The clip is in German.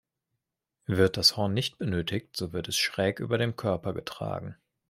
Wird das Horn nicht benötigt, so wird es schräg über dem Körper getragen.